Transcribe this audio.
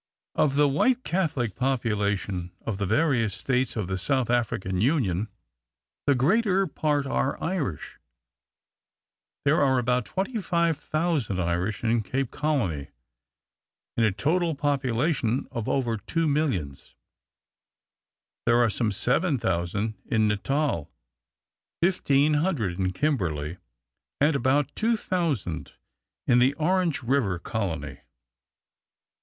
Of the white Catholic population of the various states of the South African Union, the greater part are Irish. There are about 25,000 Irish in Cape Colony in a total population of over two millions. There are some 7,000 in Natal, I,500 in Kimberley, and about 2,000 in the Orange River Colony.